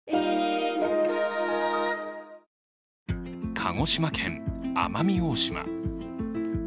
鹿児島県・奄美大島。